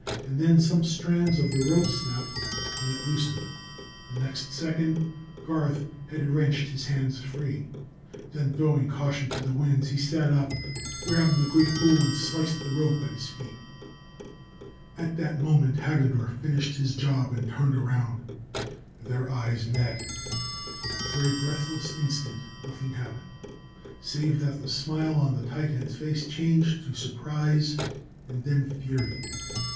And then some strands of the rope snapped, and it loosened. The next second, Garth had wrenched his hands free. Then, throwing caution to the winds, he sat up, grabbed the great tool and sliced the rope at his feet. At that moment, Hagendorff finished his job and turned around. Their eyes met. For a breathless instant nothing happened, save that the smile on the titan's face changed to surprise and then fury.